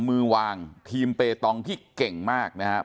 คุณยายบอกว่ารู้สึกเหมือนใครมายืนอยู่ข้างหลัง